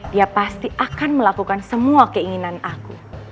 dia pasti akan melakukan semua keinginan aku